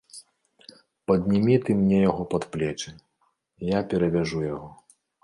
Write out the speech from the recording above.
Паднімі ты мне яго пад плечы, я перавяжу яго.